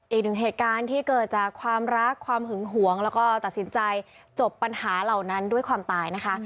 อีกหนึ่งเหตุการณ์ที่เกิดจากความรักความหึงหวงแล้วก็ตัดสินใจจบปัญหาเหล่านั้นด้วยความตายนะคะ